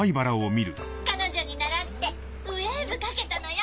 彼女にならってウエーブかけたのよ。